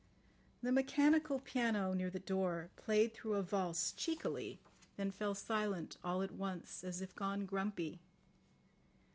The mechanical piano near the door played through a valse cheekily, then fell silent all at once, as if gone grumpy.